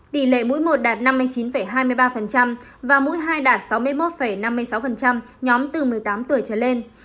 tỷ lệ mũi một đạt năm mươi chín hai mươi ba và mũi hai đạt sáu mươi một năm mươi sáu nhóm từ một mươi tám tuổi trở lên